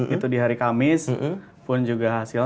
itu di hari kamis pun juga hasil